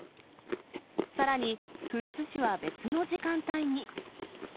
さらに、富津市は別の時間帯に。